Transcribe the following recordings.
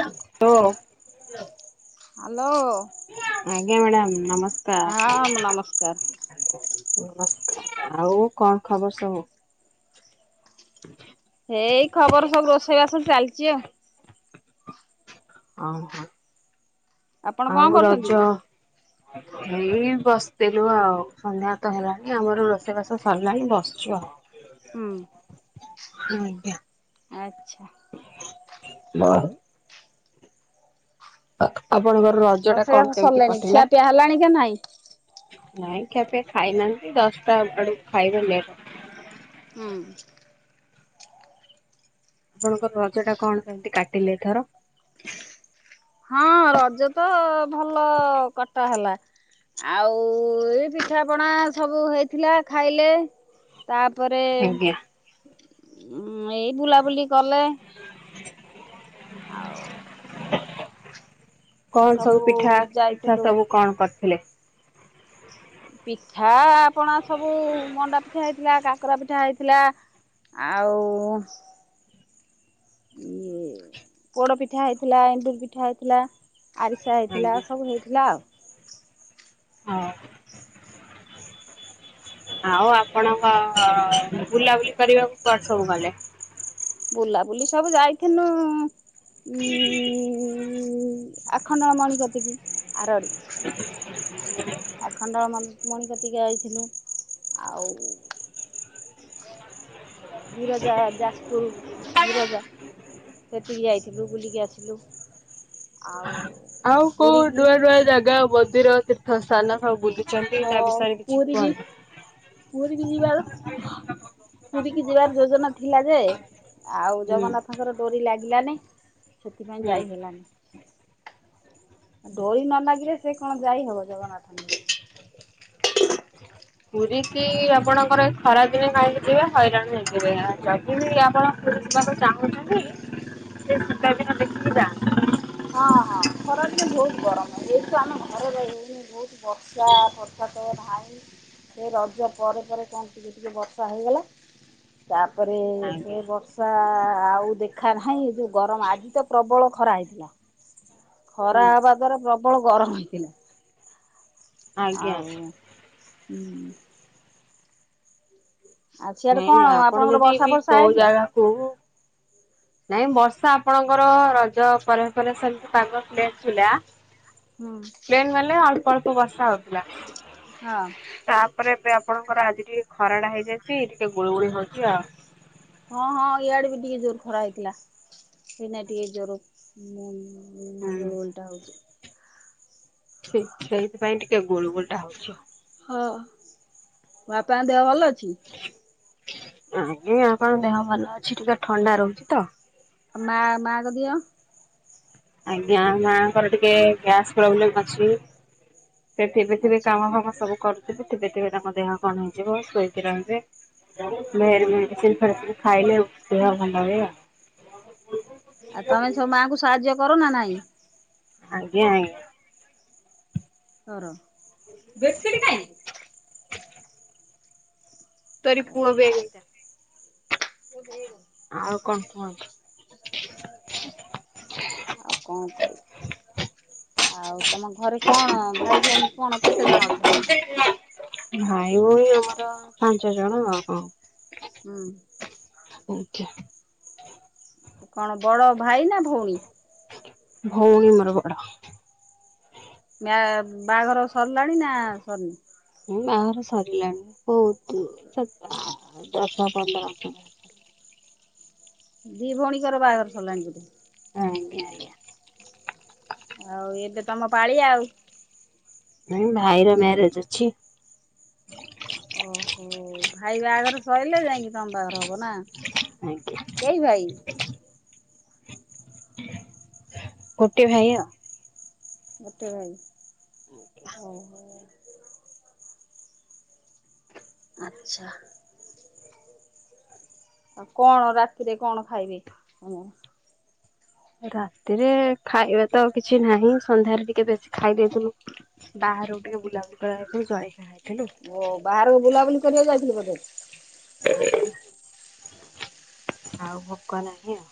Hello? Hello? ଆଜ୍ଞା madam, ନମସ୍ ଆ ନମସ୍କାର। ନମସ୍କାର। ଆଉ କଣ ଖବର ସବୁ? ହେ ଏଇ ଖବର ସବୁ ରୋଷେଇ ବାସ ଚାଲିଛି ଆଉ। ଓହୋ। ଆପଣ କଣ ଆଉ କରୁଛନ୍ତି? ରଜ ଏଇ ବସିଥିଲୁ ଆଉ, ସନ୍ଧ୍ୟା ତ ହେଲାଣି, ଆମର ରୋଷେଇ ବାସ ସରିଲାଣି, ବସିଚୁ ଆଉ। ହୁଁ। ଆଜ୍ଞା। ଆଚ୍ଛା। ମା ଆପଣଙ୍କର ରଜ ଟା ରୋଷେଇବାସ କଣ କେମିତି ସରିଲାଣି ଖିଆ କଟିଲା? ପିଆ ହେଲାଣି କି ନାଇଁ? ନାଇଁ ଖିଆ ପିଆ ଖାଇନାହାନ୍ତି, ଦଶଟା ବେଳକୁ ଖାଇବେ, ଲେଟ୍ ହୁଁ। ଆପଣଙ୍କର ରଜ ଟା କଣ କେମିତି କାଟିଲେ ଏ ଥର? ହଁ ରଜ ତ ଭଲ କଟା ହେଲା। ଆଉ ଏଇ ପିଠା ପଣା ସବୁ ହେଇଥିଲା, ଖାଇଲେ। ତାପରେ ଆଜ୍ଞା ଉଁ ଏଇ ବୁଲାବୁଲି କଲେ। ଆଉ କଣ ସବୁ ପିଠା ପିଠା ଯାଇଥିଲୁ ସବୁ କଣ କରିଥିଲେ? ପିଠା ଆପଣ ସବୁ ମଣ୍ଡା ପିଠା ହେଇଥିଲା, କାକରା ପିଠା ହେଇଥିଲା। ଆଉ ପୋଡ଼ ପିଠା ହେଇଥିଲା, ଏଣ୍ଡୁରି ପିଠା ହେଇଥିଲା, ଆରିସା ପିଠା ହେଇଥିଲା, ଆଜ୍ଞା ସବୁ ହେଇଥିଲା ଆଉ। ହଁ ଆଉ ଆପଣଙ୍କ ବୁଲାବୁଲି କରିବାକୁ କୁଆଡେ ସବୁ ଗଲେ? ବୁଲାବୁଲି ସବୁ ଯାଇଥିନୁ ଉଁ ଆଖଣ୍ଡଳମଣି କତିକି, ଆରଡ଼ି। ଆଖଣ୍ଡଳମଣି ମଣି କତିକି ଆଇଥିନୁ, ଆଉ ବିରଜା ଯାଜପୁର ବିରଜା। ସେଠିକି ଯାଇଥିଲୁ, ବୁଲିକି ଆସିଲୁ। ଆଉ ଆଉ କୋଉ ପୁରୀକି ନୂଆ ନୂଆ ଜାଗା ମନ୍ଦିର ତୀର୍ଥ ସ୍ଥାନ ସବୁ ବୁଲିଛନ୍ତି ହଁ, ତା ବିଷୟରେ କିଛି ପୁରି କୁହନ୍ତୁ? ପୁରି ବି ଯିବାର ପୁରିକି ଯିବାର ଯୋଜନା ଥିଲା ଯେ, ଆଉ ହୁଁ ଜଗନ୍ନାଥଙ୍କର ଡୋରି ଲାଗିଲାନି ସେଥିପାଇଁ ହୁଁ। ଯାଇ ହେଲାନି। ଡୋରି ନ ଲାଗିଲେ ସେ କଣ ଯାଇହବ ଜଗନ୍ନାଥ ପୁରୀ କି ଆପଣଙ୍କର ଖରାଦିନେ କାହିଁକି ଯିବେ ହଇରାଣ ହେଇଯିବେ ଆ ଯଦି ବି ଆପଣ ଯିବାକୁ ହ ଚାହୁଁଛନ୍ତି। [inaudible] ହଁ ହଁ ଖରାଦିନେ ବହୁତ ଗରମ ଏଇଠୁ ଆମେ ଘରେ ରହି ହଉନି ବହୁତ। ବର୍ଷା ହ ଧାଇଁ ସେ ରଜ ପରେ ପରେ କଣ ଟିକେ ଟିକେ ବର୍ଷା ହେଇଗଲା। ତାପରେ ସେ ଆଜ୍ଞା ବ ର୍ଷା ଆଉ ଦେଖା ନାହିଁ ଏ ଯୋଉ ଗରମ ଆଜି ତ ପ୍ରବଳ ଖରା ହେଇଥିଲା। ଖରା ହୁଁ ହବା ଦ୍ଵାରା ପ୍ରବଳ ଗରମ ହେଇଥିଲା ଆଜ୍ଞା। ଆଉ। ହୁଁ। ଆଉ ସିଆଡେ ନାଇଁ କଣ ନାଇଁ ଆପଣ ଆପଣଙ୍କର ଯଦି ବର୍ଷା ବି ଫର୍ଷା କୋଉ ହେଇଥିଲା? ଜାଗାକୁ ନାଇଁ ବର୍ଷା ଆପଣଙ୍କର ରଜ ପରେ ପରେ ସେମିତି ପାଗ ପ୍ଲେନ୍ ଥିଲା। ହୁଁ ପ୍ଲେନ୍ ମାନେ ଅଳ୍ପ ଅଳ୍ପ ବର୍ଷା ହଉଥିଲା। ହଁ ତାପରେ ଏବେ ଆପଣଙ୍କର ଆଜି ଟିକେ ଖରାଟା ହେଇଯାଇଛି ଟିକେ ଗୁଳୁଗୁଳି ହଉଛି ଆଉ। ହଁ ହଁ ଇଆଡେ ବି ଟିକେ ଜୋର ଖରା ହେଇଥିଲା ସେ ନାଇ ଟିକେ ଜୋର ମୁ ହୁଁ ଗୁଳୁଗୁଳିଟା ହଉଛି। ଠିକ୍ ସେଇଥିପାଇଁ ଟିକେ ଗୁଳୁଗୁଳିଟା ହଉଛି ଆଉ। ହଁ ବାପାଙ୍କ ଦେହ ଭଲ ଅଛି? ଆଜ୍ଞା ବାପାଙ୍କ ଦେହ ଭଲ ଅଛି ଟିକେ ଥଣ୍ଡା ରହୁଛି ତ। ଆଉ ମା ମାଙ୍କ ଦେହ? ଆଜ୍ଞା ମାଙ୍କର ଟିକେ ଗ୍ୟାସ୍ ପ୍ରୋବ୍ଲେମ୍ ଅଛି। ସେ ଥିବେ ଥିବେ ଆଚ୍ଛା କାମ ଫାମ ସବୁ କରୁଥିବେ ଥିବେ ଥିବେ ତାଙ୍କ ଦେହ କଣ ହେଇଯିବ ଶୋଇକି ରହିବେ। ଫେରେ ଓ ମେଡ଼ିସିନ୍ ଫେଡିସିନ୍ ଖାଇଲେ ଦେହ ଭଲ ହୁଏ। ଆଉ ତମେ ସବୁ ମାଆଙ୍କୁ ସାହାଯ୍ୟ କର ନା ନାଇଁ? ଆଜ୍ଞା ଆଜ୍ଞା। କର। ବେଡସିଟି କାଇଁ? ତୋରି ପୁଅ ବେ ହେଇଟା। ତାକୁ ଦେଇବ। ଆଉ କଣ କୁହନ୍ତୁ? ଆଉ କଣ କହିବି? ଆଉ ତମ ଘରେ କଣ ଭାଇ ଭଉଣୀ କଣ କେତେ ଜଣ ଅଛନ୍ତି? ଭାଇ ଭଉଣୀ ଆମର ପାଞ୍ଚ ଜଣ ଆଉ। ହୁଁ। [inaudible] କଣ ବଡ ଭାଇ ନା ଭଉଣୀ? ଭଉଣୀ ମୋର ବଡ। ମ୍ୟା ବାହାଘର ସରିଲାଣି ନା ସରିନି? ହଁ ବାଘର ସରିଲାଣି ବହୁତ ଦଶ ପନ୍ଦର ଦି ଭଉଣୀଙ୍କର ବାହାଘର ସରିଲାଣି ବୋଧେ? ଆଜ୍ଞା ଆଜ୍ଞା। ଆଉ ଏବେ ତମ ପାଳିଆ ଆଉ। ନାଇଁ ଭାଇର ମ୍ୟାରେଜ୍ ଅଛି। ଓହୋ। ଉ ଭାଇ ବାହାଘର ସଇଲେ ଯାଇଁକି ତମ ବାହାଘର ହବ ନା? ଆଜ୍ଞା। କେଇ ଭାଇ? ଗୋଟେ ଭାଇ ଆଉ। ଗୋଟେ ଭାଇ ଆଉ ଆଛା। ଆଉ କଣ ରାତିରେ କଣ ଖାଇବେ ଉଁ? ରାତିରେ ଖାଇବା ତ ଆଉ କିଛି ନାହିଁ ସନ୍ଧ୍ୟାରେ ଟିକେ ବେଶୀ ଖାଇ ଦେଇେଇଥିଲୁ। ବାହାରୁକୁ ଟିକେ ବୁଲା ବୁଲି କରି ଯାଇଥିଲୁ ଜଳଖିଆ ଖାଇଲୁ। ଓ ବାହାରକୁ ବୁଲାବୁଲି କରିବାକୁ ଯାଇଥିଲି ବୋଧେ? ଆଉ ଭୋକ ନାହିଁ ଆଉ।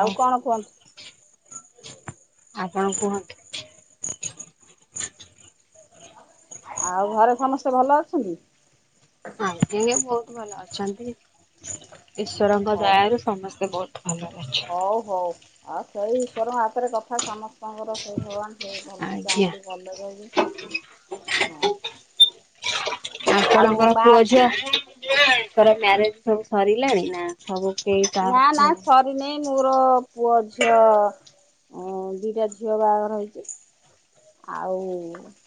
ଆଉ କଣ କୁହନ୍ତୁ। ଆପଣ କୁହନ୍ତୁ। ଆଉ ଘରେ ସମସ୍ତେ ଭଲ ଅଛନ୍ତି? ଆଜ୍ଞା ବହୁତ ଭଲ ଅଛନ୍ତି। ଈଶ୍ଵରଙ୍କ ହଉ ଦୟାରୁ ସମସ୍ତେ ବହୁତ ଭଲରେ ଅଛୁ। ହଉ ହଉ ଆଉ ସେଇ ଈଶ୍ୱରଙ୍କ ହାତରେ କଥା ସମସ୍ତେ ଆପଣଙ୍କର ସେଇ ଭଗବାନ ସେ ଭଲ ଆଜ୍ଞା ଚାହିଁନ୍ତି ଭଲରେ ବି ହଁ। ଆଉ ଆପଣଙ୍କର ବା ପୁଅ ଝିଅ ତାଙ୍କର ମ୍ୟାରେଜ୍ ସବୁ ସରିଲାଣି ନା ସବୁ କେହି କାହାର ନା କିଛି ନା ହୁଁ ସର୍ ହେଇ ନେଇ ମୋର ପୁଅ ଝିଅ ଅଁ ଦୁଇଟା ଝିଅ ବାହାଘର ହେଇଚି। ଆଉ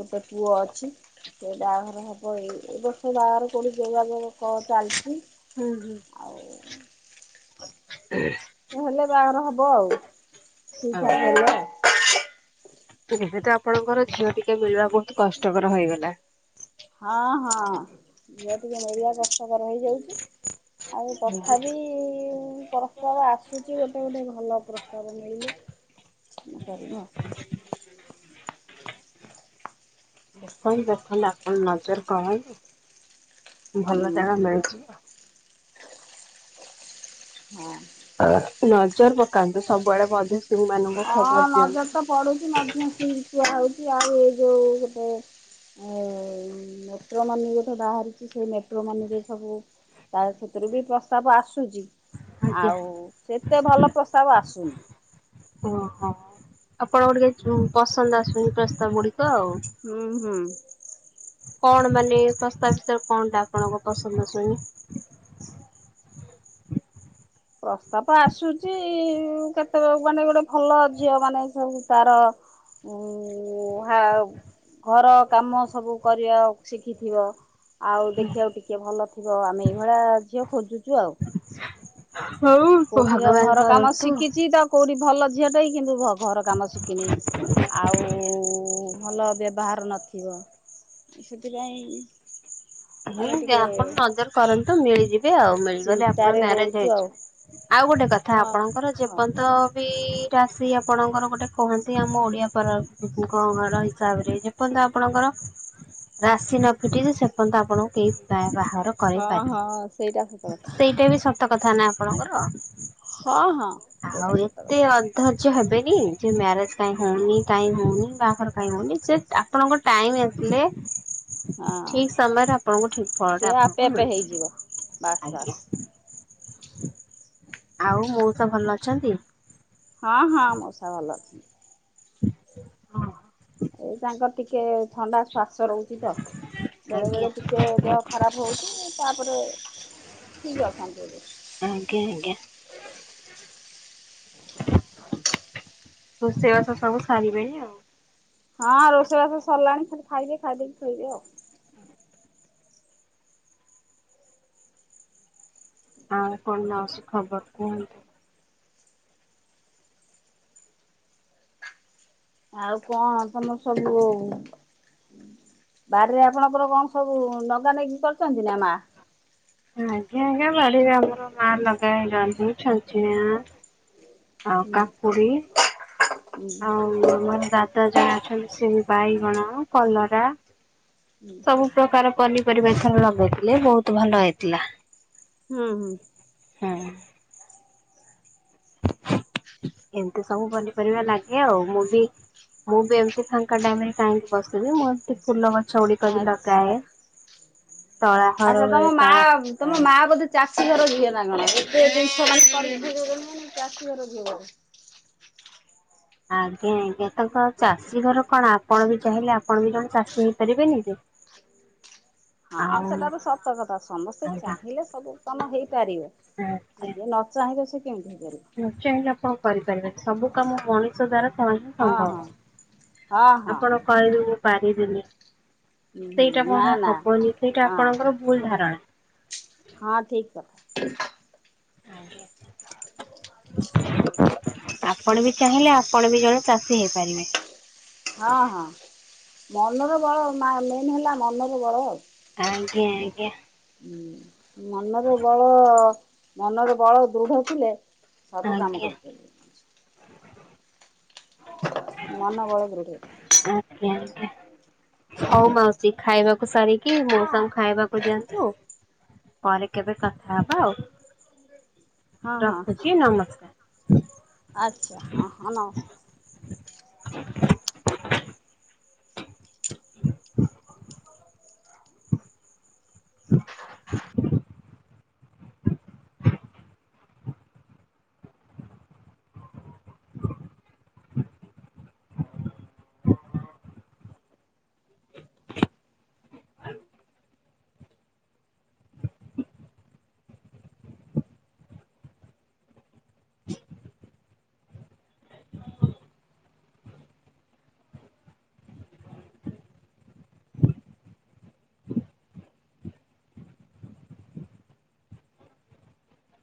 ଗୋଟେ ପୁଅ ଅଛି। ସେ ବାହାଘର ହେବ ଏଇ ଏ ବର୍ଷ ବାହାଘର କେଉଠି ଯୋଗାଯୋଗ କ ଚାଲିଚି। ହୁଁ ହୁଁ। [inaudible] ଉଁ ହେଲେ ବାଘର ହବ ଆଉ ଠିକ୍ ଓହୋ ଠାକ୍ ହେଲେ ଆଉ। ଏବେ ତ ଆପଣଙ୍କର ଝିଅ ଟିକେ ମିଳିବା ବହୁତ୍ କଷ୍ଟକର ହେଇଗଲା। ହଁ ହଁ ଝିଅ ବି ଟିକେ ମିଳିବା କଷ୍ଟକର ହେଇଯାଉଚି ଆଉ ତଥାବି ବି ପ୍ରସ୍ତାବ ଆସୁଚି ଗୋଟେ ଗୋଟେ ଭଲ ପ୍ରସ୍ତାବ ମିଳିଲେ ଅଁ କରିବା ଆଉ। ଦେଖନ୍ତୁ ଦେଖନ୍ତୁ ଆପଣ ନଜର କରନ୍ତୁ ହୁଁ ଭଲ ଜାଗା ମିଳୁଚି। ହଁ। ଆ ନଜର ପକାନ୍ତୁ ସବୁଆଡେ ମଧ୍ୟସ୍ଥି ମାନଙ୍କୁ ଖବର ଦିଅନ୍ତୁ। ପଡୁଚି ମଧ୍ୟସ୍ଥିଙ୍କି କୁହା ହଉଚି ଆଉ ଏ ଯୋଉ ଗୋଟେ ଆଉ ମେଟ୍ରୋମନି ଯୋଉଠେ ବାହାରୁଚି ସେ ମେଟ୍ରୋମନିରେ ସବୁ ତା ସେଥିରୁ ବି ପ୍ରସ୍ତାବ ଆସୁଚି ଆଜ୍ଞା। ଆଉ ସେତେ ଭଲ ପ୍ରସ୍ତାବ ଆସୁନି। ଓ ହ। ଆପଣଙ୍କୁ ଟିକେ ଉଁ ପସନ୍ଦ ଆସୁନି ପ୍ରସ୍ତାବ ଗୁଡିକ ଆଉ। ହୁଁ ହୁଁ। କଣ ମାନେ ପ୍ରସ୍ତାବ ଫ୍ରସ୍ତାପ କଣ ଟା ଆପଣଙ୍କ ପସନ୍ଦ ଆସୁନି? ପ୍ରସ୍ତାବ ଆସୁଛି, କେତେ ମାନେ ଗୋଟେ ଭଲ ଝିଅ ମାନେ ସବୁ ତାର ଉଁ - ହୁଁ-ହା-ଘର କାମ ସବୁ କରିବା ଶିଖିଥିବ। ଆଉ ଦେଖିବାକୁ ଟିକିଏ ଭଲ ଥିବ, ଆମେ ଏଇ ଭଳିଆ ଝିଅ ଖୋଜୁଛୁ ଆଉ। ହଉ କୋଉଠିକା ଭଗବାନ ଘର କାମ କରନ୍ତୁ ଶିଖିଛି ତ କୋଉଠି ଭଲ ଝିଅ ଟେ କିନ୍ତୁ ଭଲ୍। ଘର କାମ ଶିଖିନି, ଆଉ ଭଲ ବ୍ୟବହାର ନ- ରଖିବ, ସେଥିପାଇଁ ହୁଁ ଆମେ ଟିକେ ଯାହା ପର ନଜର କରନ୍ତୁ ମିଳିଯିବେ ଆଉ ମିଳିଗଲେ ଆପଣ ଚିନ୍ତାରେ ମ୍ୟାରେଜ ରହୁଛୁ ଆଉ। ହେଇଯିବ। ଆଉ ଗୋଟେ କଥା ହଁ। ଆପଣଙ୍କର ଯେ ହଁ ପର୍ଯ୍ୟନ୍ତ- ବି ରାଶି ଆପଣଙ୍କର ଗୋଟେ କୁହନ୍ତି ଆମ ଓଡିଆ ପର-ବ-ଘର ହିସାବରେ ଯେ ସେପର୍ଯ୍ୟନ୍ତ ଆପଣଙ୍କର ରାଶି ନ ଫିଟିଛି ସେପର୍ଯ୍ୟନ୍ତ ଆପଣଙ୍କୁ କେହି ବା-ବାହାର ହଁ କରିପାରିବେନି ହଁ ସେଇଟା ସତ କଥା ସେଇଟା ବି ସ- ସତ କଥା ନା ଆପଣଙ୍କର ହଁ ହଁ ଆଉ ସେଇଟା ସତ ଏତେ କଥା। ଅ ଧର୍ଯ୍ୟ ହେବେନି ଯେ ମ୍ୟାରେଜ କାଇଁ ହଉନି କାଇଁ ହଉନି ବାହାଘର କାଇଁ ହଉନି ସେ ଆପଣଙ୍କ ଟାଇମି ଆସିଲେ ହଁ। ଠିକ ସମୟରେ ଆପଣଙ୍କୁ ଠିକ ଫଳଟା ସେ ଆପଣଙ୍କୁ ଆପେ ଆପେ ମିଳିଯିବ ହେଇଯିବ ବାସ୍ ଆଜ୍ଞା। ବାସ୍। ଆଉ ମଉସା ଭଲ ଅଛନ୍ତି? ହଁ ହଁ ମଉସା ଭଲ ଅଛନ୍ତି। ହଁ। ଏଇ ତାଙ୍କର ଟିକେ ଥଣ୍ଡା ଶ୍ଵାସ ରହୁଚିତ ବେଳେ ଆଜ୍ଞା ବେଳେ ଟିକେ ଦେହ ଖରାପ ହଉଚି ତାପରେ ଠିକି ଅଛନ୍ତି ଏବେ। ଆଜ୍ଞା ଆଜ୍ଞା। ରୋଷେଇବାସ ସବୁ ସାରିବେନି ଆଉ। ହଁ ରୋଷେଇବାସ ସରିଲାଣି ଖାଲି ଖାଇବେ ଖାଇଦେଇକି ଶୋଇବେ ଆଉ। ଆଉ କଣ ମାଉସୀ ଖବର କୁହନ୍ତୁ? ଆଉ କଣ ତମର ସବୁ ବାରିରେ ଆପଣଙ୍କ କଣ ସବୁ ନଗା ନକି କରିଚନ୍ତି ନା ମା? ଆଜ୍ଞା ଆଜ୍ଞା ବାଡିରେ ଆମର ମା ଲଗାଏ ଜହ୍ନି ଝାଚିନ୍ଦ୍ରା। ଆଉ ହୁଁ କାକୁଡି। ଆଉ ଆମର ଦାଦା ଜଣେ ଅଛନ୍ତି ସେ ବି ବାଇଗଣ କଲରା ସବୁ ପ୍ରକାର ପନିପରିବା ଏଥର ଲଗେଇଥିଲେ ବହୁତୁ ଭଲ ହେଇଥିଲା। ହୁଁ ହୁଁ। ହୁଁ। [inaudible] ଏମିତି ସବୁ ପନିପରିବା ଲାଗେ ଆଉ ମୁଁ ବି ମୁଁ ବି ଏମିତି ଫାଙ୍କା ଟାଇମି ରେ କାହିଁକି ବସିବି ମୁଁ ଏମିତି ଫୁଲ ଗଛ ଗୁଡିକ ବି ଆଚ୍ଛା। ଲଗାଏ। ତଳା ହର ଆଚ୍ଛା ବେଳେ ତମ ମା ତଳା ତମ ଲଗାଏ। ମା ବୋଧେ ଚାଷୀ ଘର ଝିଅ ନା କଣ ଏତେ ଜିନିଷ ମାନେ [unintelligible] ଚାଷୀ ଘର ଝିଅ। ଆଜ୍ଞା ଆଜ୍ଞା ତାଙ୍କ ଚାଷୀ ଘର କଣ ଆପଣ ବି ଚାହିଁଲେ ଆପଣ ବି ଜଣେ ଚାଷୀ ହେଇପାରିବେନି। [unintelligible] ହଁ ଆଉ ସେଟା ତ ସତ କଥା ସମସ୍ତେ ଆଜ୍ଞା ଚାହିଁଲେ ସବୁ କାମ ହେଇପାରିବେ। ଆଜ୍ଞା ନ ଚାହିଁଲେ ସେ କେମିତି ହେଇପାରିବ। [unintelligible] କଣ କରିପାରିବେ ସବୁ କାମ ମଣିଷ ଦ୍ଵାରା [unintelligible] ହଁ ସମ୍ଭବ ହଁ ହଁ ହଁ। ଆପଣ କହିବେ ପାରିବିନି ହୁଁ ସେଇଟା ହୁଁ ନା କଣ ନା ହବନି ସେଇଟା ହଁ ଆପଣଙ୍କର ଭୁଲ ଧାରଣା। ହଁ ଠିକ୍ କଥା। ଆଜ୍ଞା। ଆପଣ ବି ଚାହିଁଲେ ଆପଣ ବି ଜଣେ ଚାଷୀ ହେଇପାରିବେ। ହଁ ହଁ, ମନର ବଳ ମା ମେନ୍ ହେଲା ମନର ବଳ ଆଉ। ଆଜ୍ଞା ଆଜ୍ଞା। ହୁଁ, ମନର ବଳ ମନର ବଳ ଦୃଢ ଥିଲେ ସବୁ କାମ ଆଜ୍ଞା। କରି ପାରିବ। [inaudible] ମନ ବଳ ଦୃଢ଼ ଆଜ୍ଞା ଆଜ୍ଞା। ହଉ ମାଉସୀ ଖାଇବାକୁ ସାରିକି ମୋଉସାଙ୍କୁ ଖାଇବାକୁ ଦିଅନ୍ତୁ ପରେ କେବେ କଥା ହବା ଆଉ। ହଁ ହଁ, ରଖୁଛି ନମସ୍କାର ଆଚ୍ଛା, ହ ହଁ ନମସ୍କାର। [unintelligible] [unintelligible]